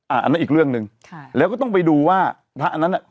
อันนั้นอีกเรื่องหนึ่งค่ะแล้วก็ต้องไปดูว่าพระอันนั้นอ่ะ